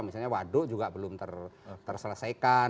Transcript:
misalnya waduk juga belum terselesaikan